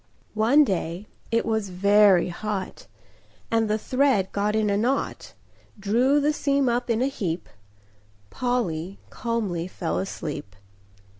One day it was very hot, And the thread got in a knot, Drew the seam up in a heap— Polly calmly fell asleep.